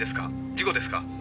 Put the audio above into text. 事故ですか？」